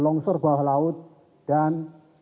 longsor bawah laut dan